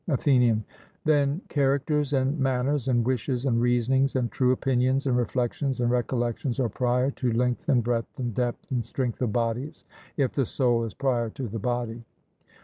ATHENIAN: Then characters and manners, and wishes and reasonings, and true opinions, and reflections, and recollections are prior to length and breadth and depth and strength of bodies, if the soul is prior to the body.